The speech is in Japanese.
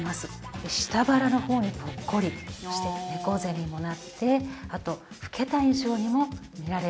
で下腹の方にポッコリして猫背にもなってあと老けた印象にも見られやすいんですね。